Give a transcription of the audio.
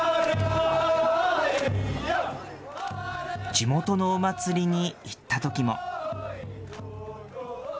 地元のお祭りに行ったときも。